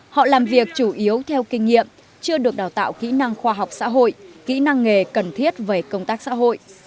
họ làm việc chủ yếu theo kinh nghiệm chưa được đào tạo kỹ năng khoa học xã hội kỹ năng nghề cần thiết về công tác xã hội